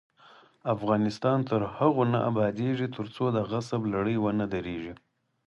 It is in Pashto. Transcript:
افغانستان تر هغو نه ابادیږي، ترڅو د غصب لړۍ ونه دریږي.